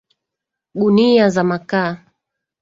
Gunia za makaa.